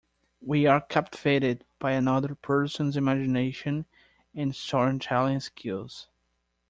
We are captivated by another persons imagination and storytelling skills.